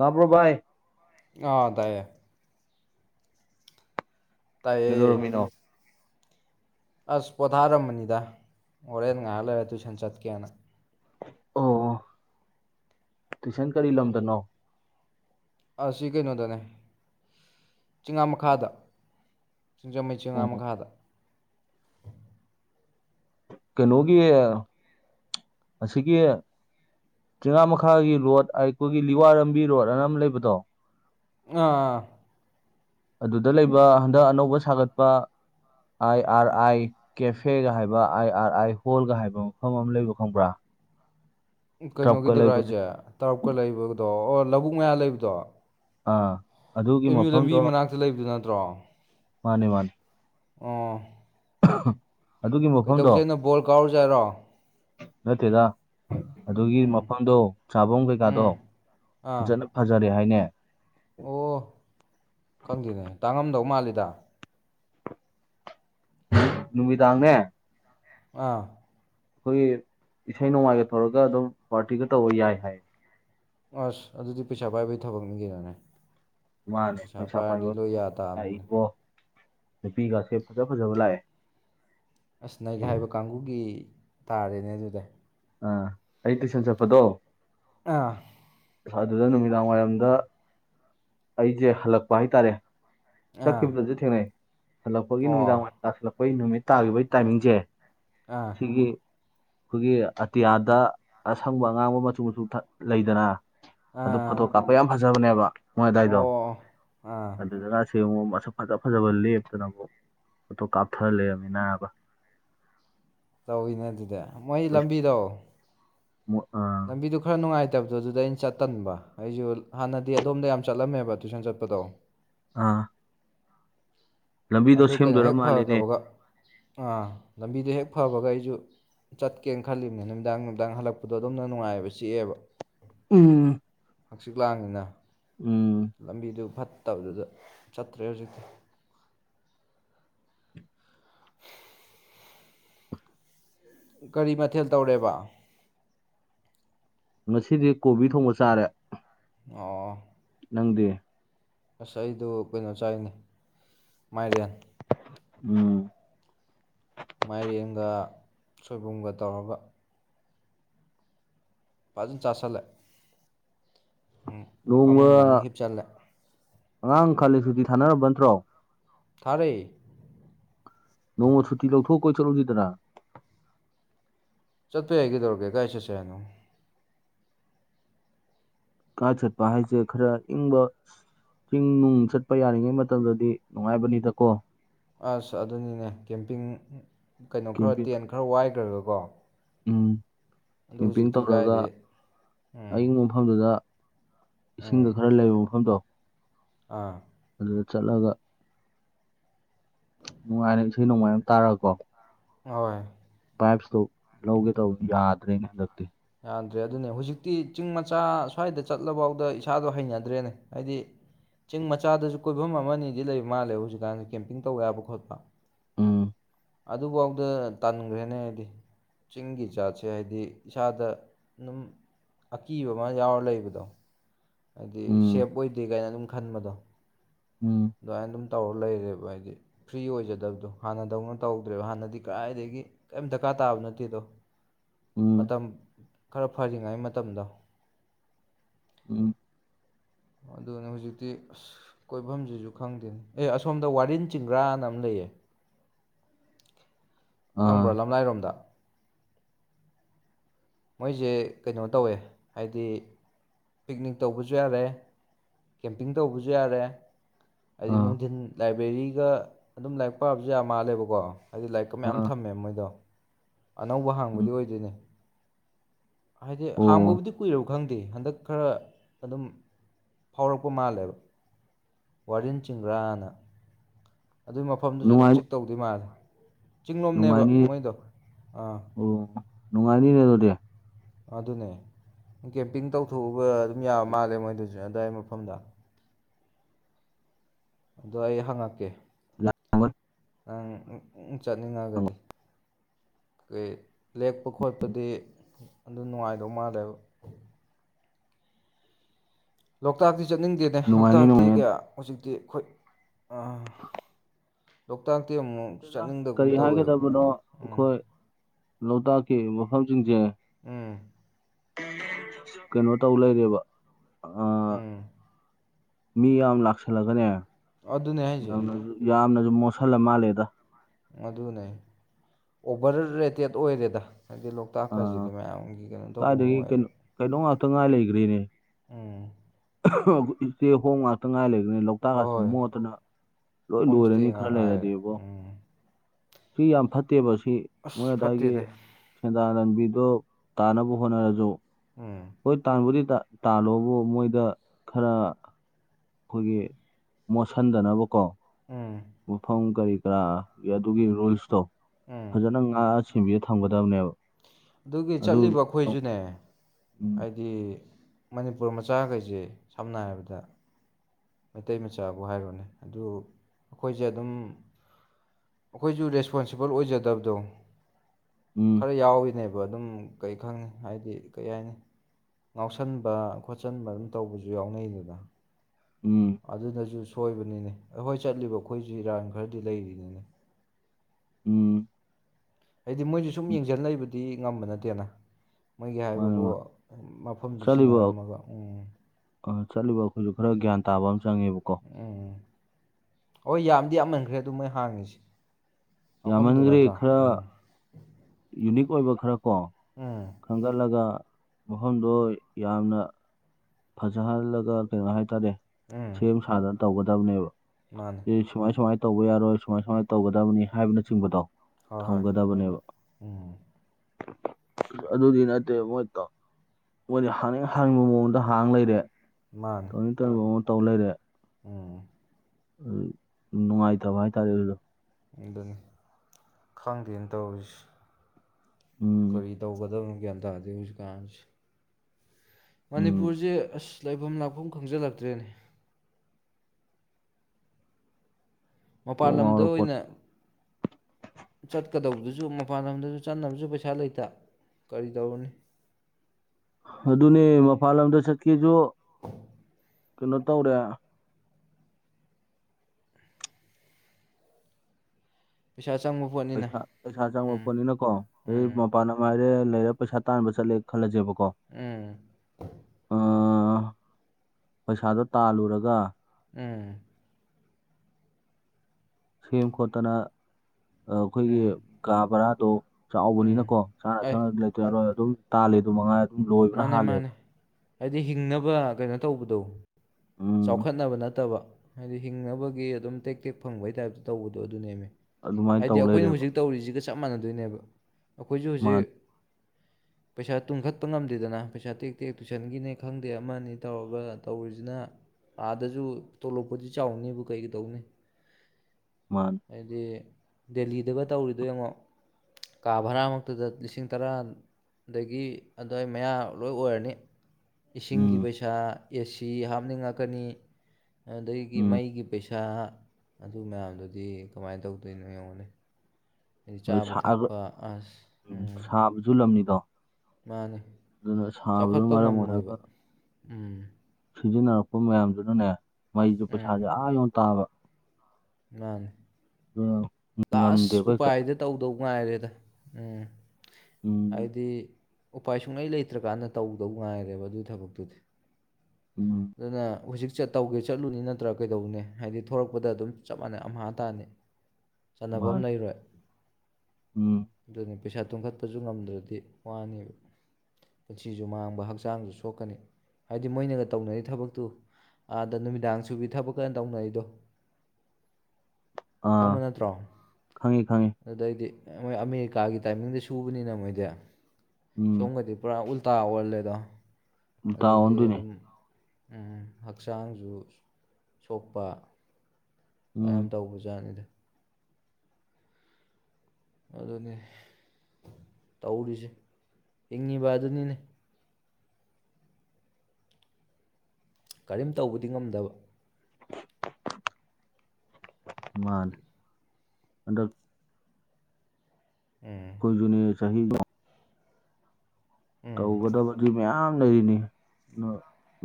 ꯇꯥꯕ꯭ꯔꯣ ꯚꯥꯏ ꯑꯥꯗꯑ ꯇꯑꯌꯦ ꯀꯩꯗꯧꯔꯝꯃꯤꯅꯣ ꯑꯁ ꯄꯣꯊꯥꯔꯃꯅꯤꯗ ꯍꯣꯔꯦꯟ ꯉꯥꯏꯍꯥꯛ ꯂꯩꯔꯦ ꯇꯨꯏꯁꯟ ꯆꯠꯀꯦꯅ ꯑꯣ ꯇꯨꯏꯁꯟ ꯀꯔꯤ ꯂꯝꯗꯅꯣ ꯑꯁꯤ ꯀꯩꯅꯣꯗꯅꯦ ꯆꯤꯉꯥ ꯃꯈꯥꯗ ꯆ ꯆꯃꯩ ꯑꯣ ꯆꯤꯅꯥꯝꯒꯥꯗ ꯀꯩꯅꯣꯒꯤ ꯑꯁꯤꯒꯤ ꯆꯉꯥ ꯃꯈꯥꯒꯤ ꯔꯣꯠ ꯑꯩꯈꯣꯏꯒꯤ ꯂꯤꯋꯥꯔ ꯂꯝꯕꯤ ꯔꯣꯠ ꯑꯅ ꯑꯃ ꯂꯩꯕꯗꯣ ꯑꯥ ꯑꯗꯨꯗ ꯂꯩꯕ ꯍꯟꯗꯛ ꯑꯅꯧꯕ ꯁꯥꯒꯠꯄ ꯑꯥꯏ ꯑꯥꯔ ꯑꯥꯏ ꯀꯦꯐꯦꯒ ꯍꯥꯏꯕ ꯑꯥꯏ ꯑꯥꯔ ꯑꯥꯏ ꯍꯣꯜꯒ ꯍꯥꯏꯕ ꯃꯐꯝ ꯑꯃ ꯂꯩꯕ ꯈꯪꯕ꯭ꯔꯥ ꯇ꯭ꯔꯞꯀ ꯀꯩꯅꯣꯒꯤꯗꯨꯔ ꯂꯩꯕꯁꯦ ꯍꯥꯏꯁꯦ ꯇꯔꯨꯛꯀ ꯂꯩꯕꯗꯣ ꯑꯣ ꯂꯧꯕꯛ ꯃꯌꯥ ꯂꯩꯕꯗꯣ ꯑꯥ ꯑꯗꯨꯒꯤ ꯑꯦꯝ ꯌꯌꯨ ꯃꯐꯝꯗꯣ ꯂꯝꯕꯤ ꯃꯅꯥꯛꯇ ꯂꯩꯕꯗꯨ ꯅꯠꯇ꯭ꯔꯣ ꯃꯥꯅꯦ ꯃꯥꯅꯦ ꯑ [inaudible] ꯃꯐꯝꯗꯣ ꯀꯩꯗꯧꯖꯦꯅꯣ ꯕꯣꯜ ꯀꯥꯎꯔꯨꯖꯔꯣ ꯅꯗꯥ ꯑꯗꯨꯒꯤ ꯃꯐꯝꯗꯣ ꯆꯥꯐꯝ ꯀꯩꯀꯥꯗꯣ ꯎꯝ ꯑꯥ ꯐꯖꯅ ꯐꯖꯔꯦ ꯍꯥꯏꯅꯦ ꯑꯣ ꯈꯪꯗꯦꯅꯦ ꯇꯥꯡꯉꯝꯗꯧ ꯀꯥꯜꯂꯗ ꯅꯨꯃꯤꯗꯥꯥꯡꯥꯡꯅꯦꯦ ꯑꯥ ꯑꯩꯈꯣꯏꯒꯤ ꯏꯁꯩ ꯅꯣꯡꯃꯥꯏꯒ ꯇꯧꯔꯒ ꯑꯗꯨꯝ ꯄꯥꯔꯇꯤꯒ ꯇꯧꯕ ꯌꯥꯏ ꯍꯥꯏꯌꯦ ꯑꯁ ꯑꯗꯨꯗꯤ ꯄꯩꯁꯥ ꯄꯥꯏꯕꯩ ꯊꯕꯛꯅꯤꯒꯤꯔꯅꯦ ꯏꯥꯟ ꯄꯩꯁ ꯄꯥꯏꯕ ꯇꯥꯕꯅꯤꯅꯦ ꯏꯕꯣ ꯅꯨꯄꯤꯒꯁꯦ ꯐꯖ ꯐꯖꯕ ꯂꯥꯛꯑꯦ ꯑꯁ ꯅꯪꯒꯦ ꯍꯥꯏꯕ ꯀꯥꯡꯕꯨꯒꯤ ꯇꯥꯔꯦꯅꯦ ꯑꯗꯨꯗ ꯑ ꯑꯩ ꯇꯨꯏꯁꯟ ꯆꯠꯄꯗꯣ ꯑꯥ ꯑ ꯑꯗꯨꯗ ꯅꯨꯃꯤꯗꯥꯡ ꯋꯥꯏꯔꯝꯗ ꯑꯩꯁꯦ ꯍꯜꯂꯛꯄ ꯍꯥꯏꯇꯥꯔꯦ ꯑꯥ ꯆꯠꯈꯤꯕꯗꯁꯨ ꯊꯦꯡꯅꯩ ꯍꯜꯂꯛꯄꯒꯤ ꯅꯨꯃꯤꯗꯥꯡ ꯑꯣ ꯋꯥꯏꯝ ꯇꯁꯤꯜꯂꯛꯄꯒꯤ ꯅꯨꯃꯤꯠ ꯇꯥꯈꯤꯕꯒꯤ ꯇꯥꯏꯃꯤꯡꯁꯦ ꯑꯥ ꯁꯤꯒꯤ ꯑꯩꯈꯣꯏꯒꯤ ꯑꯇꯤꯌꯥꯗ ꯑꯁꯪꯕ ꯑꯉꯥꯡꯕ ꯃꯆꯨ ꯃꯆꯨ ꯂꯩꯗꯅ ꯑꯗꯨꯣ ꯑꯥ ꯐꯣꯇꯣ ꯀꯥꯞꯄ ꯌꯥꯝ ꯐꯖꯩꯦ ꯕꯅꯦꯕ ꯃꯣꯏꯗꯥꯏꯗꯣ ꯑꯣ ꯑꯥ ꯑꯗꯨ ꯦꯡ ꯃꯁꯛ ꯐꯖ ꯐꯖꯕ ꯂꯦꯞꯇꯅ ꯑꯃꯨꯛ ꯐꯣꯇꯣ ꯀꯥꯞꯊꯔ ꯂꯩꯔꯕꯅꯤꯅ ꯇꯧꯋꯤꯅ ꯑꯗꯨꯗ ꯃꯣꯏ ꯂꯝꯕꯤꯗꯣ ꯃ ꯇꯕꯗꯣ ꯑꯗꯨꯗ ꯑꯩꯅ ꯆꯠꯇꯟꯕ ꯑꯩꯁꯨ ꯍꯥꯟꯅꯗꯤ ꯑꯗꯣꯝꯗ ꯌꯥꯝ ꯆꯠꯂꯝꯃꯦꯕ ꯇꯨꯏꯁꯟ ꯆꯠꯄꯗꯣ ꯑ ꯑꯗꯨ ꯀꯩꯅꯣ ꯍꯦꯛ ꯃꯥꯜꯂꯤꯅꯦ ꯐꯈꯕꯒ ꯑꯥ ꯂꯝꯕꯤꯗꯣ ꯍꯦꯛ ꯐꯕꯒ ꯑꯩꯁꯨ ꯆꯠꯀꯦꯅ ꯈꯜꯂꯤꯕꯅꯤ ꯅꯨꯃꯤꯗꯥꯡ ꯅꯨꯃꯤꯗꯥꯡ ꯍꯜꯂꯛꯄꯗꯣ ꯑꯗꯨꯝꯅ ꯅꯨꯡꯉꯥꯏꯕ ꯆꯤꯛꯑꯦꯕ ꯎꯝ ꯍꯛꯆꯤꯛ ꯂꯥꯡꯉꯤꯅ ꯎꯝ ꯂꯝꯕꯤꯗꯨ ꯐꯠꯇꯕꯗꯨꯗ ꯆꯠꯇ꯭ꯔꯦ ꯑꯣꯏꯖꯤꯛꯇꯦ [unintelligible] ꯀꯔꯤ ꯃꯊꯦꯜ ꯇꯧꯔꯦꯕ ꯉꯁꯤꯗꯤ ꯀꯣꯕꯤ ꯊꯣꯡꯕ ꯆꯥꯔꯦ ꯑꯣ ꯅꯪꯗꯦ ꯑꯁ ꯑꯩꯗꯣ ꯀꯩꯅꯣ ꯆꯥꯏꯅꯤ ꯃꯥꯏꯔꯦꯟ ꯎꯝ ꯃꯥꯏꯔꯦꯟꯒ ꯁꯣꯏꯕꯨꯝꯒ ꯇꯧꯒ ꯐꯖꯅ ꯆꯥꯥꯁꯜꯂꯦ ꯅꯣꯡꯃ ꯐꯃꯨꯡꯗ ꯑꯃꯨꯛ ꯍꯤꯞꯆꯜꯂꯦ ꯑꯉꯥꯡ ꯈꯜꯂꯁꯨꯤ ꯊꯥꯅꯔꯕ ꯅꯠꯇ꯭ꯔꯣ ꯊꯔꯦ ꯅꯣꯡꯃ ꯁꯨꯇꯤ ꯂꯧꯊꯣꯛꯑ ꯀꯣꯏ ꯆꯂꯨꯖꯤꯗꯅ ꯆꯠꯄ ꯌꯥꯏꯒꯦ ꯇꯧꯔꯒꯦ ꯀꯥꯏ ꯆꯠꯁꯦ ꯍꯥꯏꯅꯣ ꯀꯥ ꯆꯠꯄ ꯍꯥꯏꯁꯦ ꯈꯔ ꯏꯪꯕ ꯆꯤꯡ ꯅꯨꯡ ꯆꯠꯄ ꯌꯥꯔꯤꯉꯩ ꯃꯇꯝꯗꯗꯤ ꯅꯨꯡꯉꯥꯏꯕꯅꯤꯗꯀꯣ ꯑꯁ ꯑꯗꯨꯅꯤꯅꯦ ꯀꯦꯝꯄꯤꯡ ꯀꯩꯅꯣ ꯈꯔ ꯀꯦꯝꯄꯤꯡ ꯇꯦꯟ ꯈꯔ ꯋꯥꯏꯈ꯭ꯔꯒꯀꯣ ꯎꯝ ꯑꯗꯨ ꯀꯦꯝꯄꯤꯡ ꯍꯧꯖꯤꯛꯇꯤ ꯇꯧꯔꯒ ꯀꯥꯏꯗꯩ ꯎꯝ ꯑꯌꯤꯡꯕ ꯃꯐꯝꯗꯨꯗ ꯏꯁꯤꯡꯗ ꯎꯝ ꯈꯔ ꯂꯩꯕ ꯃꯐꯝꯗꯣ ꯑꯥ ꯑꯗꯨꯗ ꯆꯠꯂꯒ ꯅꯨꯡꯉꯥꯏꯔ ꯏꯁꯩ ꯅꯣꯡꯃꯥꯏ ꯑꯃ ꯇꯥꯔꯒꯀꯣ ꯍꯣꯏ ꯄꯥꯏꯞꯁꯇꯣ ꯂꯧꯒꯦ ꯇꯧꯕ ꯌꯥꯗ꯭ꯔꯦꯅꯦ ꯍꯟꯗꯛꯇꯤ ꯌꯥꯥꯟꯗ꯭ꯔꯦ ꯑꯗꯨꯅꯦ ꯍꯧꯖꯤꯛꯇꯤ ꯆꯤꯡ ꯃꯆꯥ ꯁ꯭ꯋꯥꯏꯗ ꯆꯠꯂꯐꯥꯎꯗ ꯏꯁꯥꯗꯣ ꯍꯩꯅꯗ꯭ꯔꯦꯅꯦ ꯍꯥꯏꯗꯤ ꯆꯤꯡ ꯃꯆꯥꯗꯁꯨ ꯀꯣꯏꯐꯝ ꯑꯃꯅꯤꯗꯤ ꯂꯩꯕ ꯃꯥꯜꯂꯦ ꯍꯧꯖꯤꯛꯀꯥꯟ ꯀꯦꯝꯄꯤꯡ ꯇꯧꯕ ꯌꯥꯕ ꯈꯣꯠꯄ ꯎꯝ ꯑꯗꯨꯐꯥꯎꯗ ꯇꯟꯈ꯭ꯔꯦꯅꯦ ꯍꯥꯏꯗꯤ ꯆꯤꯡꯒꯤ ꯖꯥꯠꯁꯦ ꯍꯥꯏꯗꯤ ꯏꯁꯥꯗ ꯑꯗꯨꯝ ꯑꯀꯤꯕ ꯑꯃ ꯌꯥꯎꯔ ꯂꯩꯕꯗꯣ ꯍꯥꯏꯗꯤ ꯎꯝ ꯁꯦꯞ ꯑꯣꯏꯗꯦ ꯀꯥꯏꯅ ꯑꯗꯨꯝ ꯈꯟꯕꯗꯣ ꯎꯝ ꯥꯑꯗꯨꯃꯥꯏ ꯑꯗꯨ ꯇꯧꯔ ꯂꯩꯔꯦꯕ ꯍꯥꯏꯗꯤ ꯐ꯭ꯔꯤ ꯑꯣꯏꯖꯗꯕꯗꯣ ꯍꯥꯟꯅꯗꯧꯅ ꯇꯧꯗ꯭ꯔꯦꯕ ꯍꯥꯟꯅꯗꯤ ꯀꯗꯥꯥꯏꯗꯒꯤ ꯀꯔꯤꯝ ꯗꯔꯀꯥꯔ ꯇꯥꯕ ꯅꯠꯇꯦꯗꯣ ꯎꯝ ꯃꯇꯝ ꯈꯔ ꯐꯔꯤꯉꯩ ꯃꯇꯝꯗꯣ ꯎꯝ ꯑꯗꯨꯅ ꯍꯧꯖꯤꯛꯇꯤ ꯑꯁ ꯀꯣꯏꯐꯝꯁꯤꯁꯨ ꯈꯪꯗꯦꯅꯤ ꯑꯦ ꯑꯁꯣꯝꯗ ꯋꯥꯟ ꯆꯤꯡꯒ꯭ꯔꯥꯅ ꯑꯃ ꯂꯩꯌꯦ ꯈꯪꯕ꯭ꯔꯥ ꯑꯥ ꯂꯝꯂꯥꯏꯔꯣꯝꯗ ꯃꯣꯏꯁꯦ ꯀꯩꯅꯣ ꯇꯧꯋꯦ ꯍꯥꯏꯗꯤ ꯄꯤꯛꯅꯤꯛ ꯇꯧꯕꯁꯨ ꯌꯥꯔꯦ ꯀꯦꯝꯄꯤꯡ ꯇꯧꯕꯁꯨ ꯌꯥꯔꯦ ꯍꯥꯏꯗꯤ ꯑꯥ ꯅꯨꯡꯊꯤꯟ ꯂꯥꯏꯕ꯭ꯔꯦꯔꯤꯒ ꯑꯗꯨꯝ ꯂꯥꯏꯔꯤꯛ ꯄꯥꯕꯁꯨ ꯌꯥꯝ ꯃꯥꯜꯂꯦꯕꯀꯣ ꯍꯥꯏꯗꯤ ꯂꯥꯏꯔꯤꯛꯀ ꯃꯌꯥꯝ ꯑꯥ ꯊꯝꯃꯦ ꯃꯣꯏꯗꯣ ꯑꯅꯧꯕ ꯎꯝ ꯍꯥꯡꯕꯗꯤ ꯑꯣꯏꯗꯣꯏꯅꯦ ꯍꯥꯏꯗꯤ ꯑꯣ ꯍꯡꯕꯕꯨꯗꯤ ꯀꯨꯏꯔꯦ ꯈꯪꯗꯦ ꯍꯟꯗꯛ ꯈꯔ ꯑꯗꯨꯝ ꯐꯥꯎꯔꯛꯄ ꯃꯥꯜꯂꯦꯕ ꯋꯥꯔꯟ ꯆꯤꯡꯒ꯭ꯔꯥꯅ ꯑꯗꯨꯏ ꯃꯐꯝꯗꯨꯁꯨ ꯑꯗꯨꯝ ꯅꯨꯡꯉꯥꯏ ꯆꯤꯛ ꯇꯧꯗꯣꯏ ꯃꯥꯜꯂꯦ ꯆꯤꯡꯂꯣꯝꯅꯦꯕ ꯅꯨꯡꯉꯥꯏꯅꯤ ꯃꯣꯏꯗꯣ ꯑꯥ ꯑꯣ ꯅꯨꯡꯉꯥꯏꯅꯤꯅꯦ ꯑꯗꯨ ꯗ ꯑꯗꯨꯅꯦ ꯀꯦꯝꯄꯤꯡ ꯇꯧꯊꯣꯛꯎꯕ ꯑꯗꯨꯝ ꯌꯥꯕ ꯃꯥꯜꯂꯦ ꯃꯣꯏꯗꯨꯁꯨ ꯑꯋꯥꯏ ꯃꯐꯝꯗ ꯑꯗꯣ ꯑꯩ ꯍꯪꯉꯛꯀꯦ ꯈꯔ ꯑꯪ ꯆꯠꯅꯤꯡꯉꯒꯗꯤ ꯀꯩ ꯂꯦꯛꯄ ꯈꯣꯠꯄꯗꯤ ꯑꯗꯨ ꯅꯨꯡꯉꯥꯏꯗꯧ ꯃꯥꯜꯂꯦꯕ ꯂꯣꯛꯇꯥꯛ ꯆꯠꯅꯤꯡꯗꯦꯅꯦ ꯅꯨꯡꯉꯥꯏꯅꯤ ꯂꯣꯛꯇꯥꯛꯇꯤ ꯀꯌꯥ ꯍꯧꯖꯤꯛꯇꯤ ꯑꯩꯈꯣꯏ ꯑ ꯂꯣꯛꯇ ꯈꯪꯗꯦꯗ ꯀꯔꯤ ꯍꯥꯏꯒꯗꯕꯅꯣ ꯎꯝ ꯑꯩꯈꯣꯏ ꯂꯣꯛꯇꯥꯛꯀꯤ ꯃꯐꯝꯁꯤꯡꯁꯦ ꯎꯝ ꯀꯩꯅꯣ ꯇꯧ ꯂꯩꯔꯦꯕ ꯑꯥ, ꯎꯝ ꯃꯤ ꯌꯥꯝ ꯂꯥꯛꯁꯜꯂꯒꯅꯦ ꯑꯗꯨꯅꯦ ꯍꯥꯏꯁꯦ ꯌꯥꯝꯅ ꯌꯥꯝ ꯑꯃꯅꯖꯔ ꯃꯣꯠꯁꯜꯂ ꯃꯥꯜꯂꯦꯗ ꯑꯗꯨꯅꯦ ꯑꯣꯚꯔ ꯔꯦꯇꯦꯠ ꯑꯣꯏꯔꯦꯗ ꯍꯥꯏꯗꯤ ꯂꯣꯛꯇꯥꯛ ꯑꯥ ꯈꯁꯤꯗꯤ ꯃꯌꯥꯝꯒꯤ ꯀꯩꯅꯣ ꯇꯧꯕ ꯑꯃ ꯑꯣꯏꯗꯣ ꯇ ꯉ ꯂꯩꯈ꯭ꯔꯔꯤꯅꯦ ꯏꯆꯦ ꯍꯣꯡ ꯉꯥꯛꯇ ꯉ ꯂꯩꯦ ꯑꯗꯨꯅ ꯂꯣꯛꯇꯥꯛꯁꯤ ꯍꯣꯏ ꯍꯣꯏ ꯃꯣꯠꯇꯅ ꯂꯣꯏ ꯍꯣꯝ ꯏꯁꯇꯦ ꯂꯣꯏꯔꯅꯤ ꯈꯔ ꯉꯥꯛ ꯉꯥꯏꯔꯦ ꯂꯩꯔꯗꯤꯕꯣ ꯎꯝ ꯁꯨꯏ ꯌꯥꯝ ꯐꯠꯇꯦꯕꯁ ꯑꯁ ꯃꯣꯏ ꯑꯗꯨ ꯑꯗꯨꯒꯤ ꯐꯠꯇꯦꯅꯦ ꯔꯥꯟꯕꯤꯗꯣ ꯇꯥꯅꯕ ꯍꯣꯠꯅꯔꯁꯨ ꯎꯝ ꯍꯣꯏ ꯇꯥꯥꯟꯕꯨꯗꯤ ꯇꯥꯜꯂꯣꯕꯨ ꯃꯣꯏꯗ ꯈꯔ ꯑꯩꯈꯣꯏꯒꯤ ꯃꯣꯠꯁꯤꯟꯗꯅꯕꯀꯣ ꯎꯝ ꯋꯥ ꯐꯪ ꯀꯔꯤ ꯑꯗꯨꯒꯤ ꯔꯨꯜꯁꯇꯣ ꯎꯝ ꯐꯖꯅꯪ ꯉ ꯊꯕꯤꯗ ꯊꯝꯒꯗꯕꯅꯦꯕ ꯑꯗꯨꯒꯤ ꯑꯗꯨ ꯆꯠꯂꯤꯕ ꯑꯩꯈꯣꯏꯁꯨꯅꯦ ꯎꯝ ꯍꯥꯏꯗꯤ ꯃꯅꯤꯄꯨꯔ ꯃꯆꯥꯈꯩꯁꯦ ꯁꯝꯅ ꯍꯥꯏꯔꯕꯗ ꯃꯩꯇꯩ ꯃꯆꯥꯕꯨ ꯍꯥꯏꯔꯣꯅꯦ ꯑꯗꯨ ꯑꯩꯈꯣꯏꯁꯦ ꯑꯗꯨꯝ ꯑꯩꯈꯣꯏꯁꯨ ꯔꯦꯁꯄꯣꯟꯁꯤꯕꯜ ꯑꯣꯏꯖꯗꯕꯗꯣ ꯎꯝ ꯈꯔ ꯌꯥꯎꯔꯤꯅꯦꯕ ꯑ ꯑꯗꯨꯝ ꯀꯩ ꯈꯪꯅꯤ ꯍꯥꯏꯗꯤ ꯀꯩ ꯍꯥꯏꯅꯤ ꯉꯥꯎꯁꯟꯕ ꯈꯣꯠꯆꯟꯕ ꯑꯗꯨꯝ ꯇꯧꯕꯁꯨ ꯌꯥꯎꯅꯩꯗꯅ ꯎꯝ ꯑꯗꯨ ꯅꯁꯨ ꯁꯣꯏꯕꯅꯤꯅꯦ ꯑꯩꯈꯣꯏ ꯆꯠꯂꯤꯕ ꯑꯩꯈꯣꯏꯁꯤ ꯏꯔꯥꯟ ꯈꯔꯗꯤ ꯂꯩꯔꯤꯅꯤꯅꯦ ꯎꯝ ꯍꯥꯏꯗꯤ ꯃꯣꯏꯁꯨ ꯁꯨꯝ ꯎꯝ ꯌꯦꯡꯁꯤꯜꯂꯛꯏꯕ ꯗꯤ ꯉꯝꯕ ꯅꯠꯇꯦꯅ ꯃꯣꯏꯒꯤ ꯃꯥꯅꯦ ꯍꯥꯏꯕꯕꯨ ꯃꯥꯅꯦ ꯃꯐꯝꯗꯨ ꯆꯠꯂꯤꯕ ꯁꯤꯟꯅꯔꯝꯃꯒ ꯎꯝ ꯑ, ꯆꯠꯂꯤꯕ ꯑꯩꯈꯣꯏꯁꯨ ꯈꯔ ꯒ꯭ꯌꯥꯟ ꯇꯥꯕ ꯑꯃ ꯆꯪꯉꯦꯕꯀꯣ ꯎꯝ ꯍꯣꯏ ꯌꯥꯝꯗꯤ ꯌꯥꯝꯃꯟꯈ꯭ꯔꯦ ꯑꯗꯨ ꯃꯣꯏ ꯍꯥꯡꯉꯁꯤ ꯌꯥꯃꯒꯔꯤꯦ ꯏ ꯈꯔ ꯌꯨꯅꯤꯛ ꯑꯣꯏꯕ ꯈꯔ ꯀꯣ ꯎꯝ ꯈꯟꯒꯠꯂꯒ ꯃꯐꯝꯗꯣ ꯌꯥꯝꯅ ꯐꯖꯍꯜꯂꯒ ꯀꯩꯅꯣ ꯍꯥꯏꯇꯥꯔꯦ ꯎꯝ ꯁꯦꯝ ꯁꯥꯗꯅ ꯇꯧꯒ ꯇꯕꯅꯦꯕ ꯃꯥꯅꯤ ꯑꯩ ꯁꯨꯃꯥꯏ ꯁꯨꯃꯥꯏ ꯇꯧꯕ ꯌꯥꯔꯣꯏ ꯁꯨꯃꯥꯏ ꯁꯨꯃꯥꯏꯅ ꯇꯧꯒꯗꯕꯅꯤ ꯍꯥꯏꯕꯅꯆꯤꯡꯕꯗꯣ ꯍꯣꯏ ꯍꯣꯏ ꯊꯝꯒꯗꯕꯅꯦꯕ ꯎꯝ ꯑꯗꯨꯗꯤ ꯅꯠꯇꯦꯕ ꯃꯣꯏꯠꯇꯣ ꯃꯣꯏꯗꯤ ꯍꯥꯡꯅꯤꯡ ꯍꯥꯡꯅꯤꯡꯕ ꯃꯑꯣꯡꯗ ꯊꯥꯡ ꯂꯩꯔꯦ ꯃꯥꯅꯤ ꯇꯧꯅꯤꯡ ꯇꯧꯅꯤꯡ ꯃꯉꯣꯟꯗ ꯇꯧ ꯂꯩꯔꯦ ꯎꯝ ꯅꯨꯡꯉꯥꯏꯇꯕ ꯍꯥꯏꯇꯥꯔꯦ ꯑꯗꯨꯗꯣ ꯑꯗꯨꯅꯤ ꯈꯪꯗꯦꯅ ꯇꯧꯔꯤꯁꯤ ꯎꯝ ꯀꯔꯤ ꯇꯧꯒꯗꯕꯅꯣ ꯒꯌ꯭ꯥꯟ ꯇꯗꯦ ꯍꯧꯖꯤꯛ ꯀꯥꯟꯁꯦ ꯎꯝ ꯃꯅꯤꯄꯨꯔꯁꯦ ꯑꯁ ꯂꯩꯐꯝ ꯂꯥꯛꯐꯝ ꯈꯪꯖꯤꯜꯂꯛꯇ꯭ꯔꯦꯅꯦ ꯃꯄꯥꯜ ꯀꯣꯛ ꯂꯝꯗ ꯉꯥꯎꯔ ꯄꯣꯠ ꯑꯣꯏꯅ ꯆꯠꯀꯗꯧꯕꯗꯨꯁꯨ ꯃꯄꯥꯟ ꯂꯝꯗꯁꯨ ꯆꯠꯅꯕꯁꯨ ꯄꯩꯁꯥ ꯂꯩꯇ ꯀꯔꯤ ꯇꯧꯔꯅꯤ ꯑꯗꯨꯅꯦ ꯃꯄꯥꯟ ꯂꯝꯗ ꯆꯠꯀꯦꯁꯨ [inaudible] ꯀꯩꯅꯣ ꯇꯧꯔꯦ ꯄꯩꯁꯥ ꯆꯪꯕ ꯄꯣꯠꯅꯤꯅ ꯄꯩꯁꯥ ꯄꯩꯁꯥ ꯆꯪꯕ ꯎꯝ ꯄꯣꯛꯅꯤꯅꯀꯣ ꯑꯩ ꯎꯝ ꯃꯄꯥꯟꯅ ꯍꯥꯏꯔꯦ ꯂꯩꯔ ꯄꯩꯁꯥ ꯇꯥꯟꯕ ꯆꯠꯂꯦ ꯈꯜꯂꯁꯦꯕ ꯎꯝ ꯄꯩꯁꯥꯗꯣ ꯇꯥꯜꯂꯨꯔꯒ ꯎꯝ ꯁꯦꯝ ꯈꯣꯠꯇꯅ ꯑꯩꯈꯣꯏꯒꯤ ꯎꯝ ꯀ ꯕꯥꯔꯥ ꯑꯗꯨ ꯎꯝ ꯆꯥꯎꯕꯅꯤꯅꯀꯣ ꯆꯥꯅ ꯑꯩ ꯊꯛꯅ ꯂꯩꯇ ꯌꯥꯔꯣꯏ ꯑꯗꯨꯝ ꯇꯥꯜꯂꯦ ꯑꯗꯨ ꯃꯉꯥꯏ ꯑꯗꯨꯝ ꯂꯣꯏꯕꯅ ꯃꯥꯅꯦ ꯍꯥꯜꯂꯦꯕ ꯃꯥꯅꯦ ꯍꯥꯏꯗꯤ ꯍꯤꯡꯅꯕ ꯀꯩꯅꯣ ꯇꯧꯕꯗꯣ ꯎꯝ ꯆꯥꯎꯈꯠꯅꯕ ꯅꯠꯇꯕ ꯍꯥꯏꯗꯤ ꯍꯤꯡꯅꯕꯒꯤ ꯑꯗꯨꯝ ꯇꯦꯛ ꯇꯦꯛ ꯐꯪꯕꯒꯤ ꯇꯥꯏꯞꯇ ꯇꯧꯕꯗꯣ ꯑꯗꯨꯅꯦꯃꯤ ꯑꯗꯨꯃꯥꯏꯅ ꯍꯥꯏꯗꯤ ꯇꯧ ꯑꯩꯈꯣꯏꯅ ꯂꯩꯔꯦꯕ ꯍꯧꯖꯤꯛ ꯇꯧꯔꯤꯁꯤꯒ ꯆꯞ ꯃꯥꯟꯅꯗꯣꯏꯅꯦꯕ ꯑꯩꯈꯣꯏꯁꯨ ꯍꯨꯖꯤꯛ ꯃꯥꯅꯤ ꯄꯩꯁꯥ ꯇꯨꯡꯈꯠ ꯄ ꯉꯝꯗꯦꯗꯅ ꯄꯩꯁꯥ ꯇꯦꯛꯇꯦꯛ ꯇꯨꯏꯁꯟꯒꯤꯅꯦ ꯈꯪꯗꯦ ꯑꯃꯅꯤ ꯇꯧꯔꯒ ꯇꯧꯔꯤꯖꯤꯅ ꯑꯥꯗꯁꯨ ꯇꯣꯂꯣꯞꯀꯗꯤ ꯆꯥꯎꯅꯤꯕꯨ ꯀꯩꯒꯤ ꯇꯧꯅꯤ ꯃꯥꯅꯤ ꯍꯥꯏꯗꯤ ꯗꯦꯜꯂꯤꯗꯒ ꯇꯧꯔꯤꯗꯣ ꯌꯦꯡꯉꯣ ꯀꯥ ꯚꯔꯥꯃꯛꯇꯗ ꯂꯤꯁꯤꯡ ꯇꯔꯥ ꯗꯒꯤ ꯑꯗ꯭ꯋꯥꯏ ꯃꯌꯥ ꯂꯣꯏ ꯑꯣꯏꯔꯅꯤ ꯏꯁꯤꯡꯒꯤ ꯎꯝ ꯄꯩꯁꯥ ꯑꯦꯁꯤ ꯍꯥꯞꯅꯤꯡꯉꯛꯀꯅꯤ ꯑꯗꯩꯒꯤ ꯎꯝ ꯃꯩꯒꯤ ꯄꯩꯁꯥ ꯄꯩꯁꯥꯍꯥ ꯑꯗꯨ ꯃꯌꯥꯝꯗꯨꯗꯤ ꯀꯃꯥꯏ ꯇꯧꯗꯣꯏꯅꯣ ꯌꯦꯡꯉꯣꯅꯦ ꯑꯗꯩ ꯆꯥꯕ ꯊꯛꯄ ꯑꯁ ꯎꯝ [unintelligible] ꯃꯥꯅꯤ ꯗꯨꯅ ꯁꯥꯕꯗꯨꯅ ꯆꯥꯎꯈꯠꯄ ꯃꯔꯝ ꯉꯝꯃꯣꯏꯕ ꯑꯣꯢꯔꯒ ꯎꯝ ꯁꯤꯖꯤꯟꯅꯔꯛꯄ ꯃꯌꯥꯝꯗꯨꯅꯅꯦ ꯃꯩꯖꯨ ꯄꯩꯁꯥꯥꯁꯦ ꯑꯥ ꯌꯧ ꯇꯥꯕ ꯃꯥꯅꯦ ꯑꯗꯨꯅ ꯂꯥꯁ ꯉꯝꯗꯦꯕ ꯍꯦꯛꯇ ꯎꯄꯥꯏꯗ ꯇꯧꯗꯧ ꯅꯨꯡꯉꯥꯢꯔꯦꯗ ꯎꯝ ꯎꯝ ꯍꯥꯏꯗꯤ ꯎꯄꯥꯏ ꯁꯨꯡꯂꯩ ꯂꯩꯇ꯭ꯔꯀꯥꯟꯗ ꯇꯧꯗꯧ ꯉꯥꯏꯔꯦꯕ ꯑꯗꯨ ꯊꯕꯛꯇꯨꯗꯤ ꯎꯝ ꯑꯗꯨꯅ ꯍꯨꯖꯤꯛ ꯆꯠ ꯇꯧꯒꯩ ꯆꯠꯂꯨꯅꯤ ꯅꯠꯇ꯭ꯔ ꯀꯩꯗꯧꯅꯦ ꯍꯥꯏꯗꯤ ꯊꯣꯔꯛꯄꯗ ꯑꯗꯨꯝ ꯆꯞ ꯃꯥꯟꯅꯩ ꯑꯝꯍꯥ ꯇꯥꯥꯅꯤ ꯆꯟꯅꯐꯝ ꯃꯥꯅꯦ ꯂꯩꯔꯣꯏ ꯎꯝ ꯗꯨꯅꯦ ꯄꯩꯁꯥ ꯇꯨꯡꯈꯠꯄꯁꯨ ꯉꯝꯗ꯭ꯔꯗꯤ ꯋꯥꯅꯦꯕ ꯄꯨꯟꯁꯤꯁꯨ ꯃꯥꯡꯕ ꯍꯛꯆꯥꯡꯁꯨ ꯁꯣꯛꯀꯅꯤ ꯍꯥꯏꯗꯤ ꯃꯣꯏꯅꯒ ꯇꯧꯅꯔꯤ ꯊꯕꯛꯇꯨ ꯑꯥꯗ ꯅꯨꯃꯤꯗꯥꯡ ꯁꯨꯕꯤ ꯊꯕꯛꯀ ꯇꯧꯅꯔꯤꯗꯣ ꯑꯥ ꯈꯪꯕ ꯅꯠꯇ꯭ꯔꯣ ꯈꯪꯉꯤ ꯈꯪꯉꯤ ꯑꯗꯨꯗꯩꯗꯤ ꯑ ꯃꯣꯏ ꯑꯃꯦꯔꯤꯀꯥꯒꯤ ꯇꯥꯏꯃꯤꯡꯗ ꯁꯨꯕꯅꯤꯅ ꯃꯣꯏꯗꯤ ꯎꯝ ꯁꯣꯝꯒꯗꯤ ꯄꯨꯔꯥ ꯎꯜ ꯇꯥ ꯑꯣꯜꯂꯦꯗꯣ ꯗꯥꯎꯟ ꯑꯗꯨꯗꯤ ꯑꯣꯟꯗꯣꯏꯅꯦ ꯑꯗꯨꯝ ꯎꯝ ꯍꯛꯆꯥꯡꯁꯨ ꯁꯣꯛꯄ ꯑꯌꯥꯝ ꯎꯝ ꯇꯧꯕꯖꯥꯠꯅꯤꯗ ꯑꯗꯨꯅꯦ ꯇꯧꯔꯤꯖꯦ ꯍꯤꯡꯉꯤꯕ ꯑꯗꯨꯅꯤꯅꯦ ꯀꯔꯤꯝ ꯇꯧꯕꯗꯤ ꯉꯝꯗꯕ ꯃꯥ ꯑꯗ ꯎꯝ ꯈꯣꯏꯖꯨꯅꯤ ꯁꯍꯤ ꯎꯝ ꯇꯧꯒꯗꯣ ꯍꯧꯖꯤ ꯃꯌꯥꯝ ꯂꯩꯅꯤ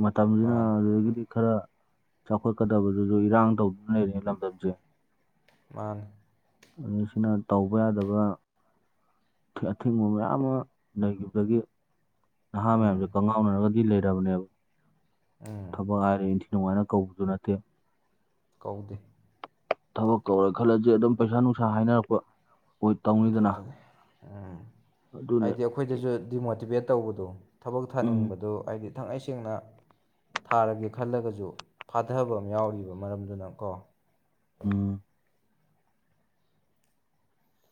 ꯃꯇꯝꯁꯤꯅ ꯃꯥꯅꯤ ꯑꯗꯨꯗꯒꯤꯗꯤ ꯈꯔ ꯆꯥꯎꯈꯠꯀꯗꯕꯗꯨꯁꯨ ꯏꯔꯥꯡ ꯇꯧꯗꯨꯅ ꯂꯩꯔꯤꯦ ꯂꯝꯗꯝꯁꯦ ꯃꯥꯥꯡ ꯑꯁꯤꯅ ꯇꯧꯕ ꯌꯥꯗꯕ ꯑꯊꯤꯡꯕ ꯃꯌꯥꯝ ꯑꯃ ꯂꯩꯈꯤꯕꯗꯒꯤ ꯅꯍꯥ ꯎꯝ ꯃꯌꯥꯝꯁꯦ ꯀꯪꯉꯥꯎꯅꯔꯒ ꯂꯩꯔꯔꯕꯕꯅꯤ ꯑꯣ ꯎꯝ ꯊꯕꯛ ꯍꯥꯏꯔ ꯑꯗꯨꯃꯥꯏꯅ ꯀꯧꯕꯁꯨ ꯅꯠꯇꯦ ꯀꯧꯗꯦ ꯊꯕꯛ ꯀꯧꯔꯦ ꯈꯜꯂꯁ ꯑꯗꯨꯝ ꯄꯩꯁꯥ ꯅꯨꯡꯁꯥ ꯍꯥꯏꯅꯔꯛꯄ ꯑꯣꯏ ꯇꯧꯅꯤꯗꯅ ꯑꯗꯨꯗꯨꯅꯤ ꯎꯝ ꯑꯗꯨꯅꯦ ꯍꯥꯏꯗꯤ ꯑꯩꯈꯣꯏꯗꯁꯨ ꯗꯤꯃꯣꯇꯤꯚꯦꯠ ꯇꯧꯕꯗꯣ ꯊꯕꯛ ꯎꯝ ꯊꯥꯅꯤꯡꯕꯗꯨ ꯍꯥꯏꯗꯤ ꯏꯊꯪꯏ ꯁꯦꯡꯅ ꯊꯥꯔꯒꯦ ꯈꯜꯂꯒꯁꯨ ꯐꯥꯊꯕ ꯑꯃ ꯌꯥꯎꯔꯤꯕ ꯃꯔꯝꯗꯨꯅ ꯀꯣ ꯑꯝ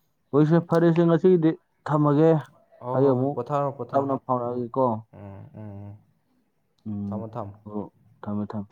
ꯑꯩꯈꯣꯏꯁꯦ ꯐꯔꯦꯁꯦ ꯉꯁꯤꯒꯤꯗꯤ ꯊꯝꯃꯒꯦ ꯑꯣ ꯑꯩ ꯍꯣꯏ ꯍꯣꯏ ꯑꯃꯨꯛ ꯄꯊꯥꯣ ꯄꯊꯥ ꯇꯞꯅ ꯎ ꯎꯝ ꯐꯥꯎꯔꯛꯑꯒꯦꯀꯣ ꯑꯣ ꯊꯥꯝꯃ ꯎꯝ ꯊꯝ ꯍꯣ ꯊꯝꯃꯦ ꯊꯝꯃꯦ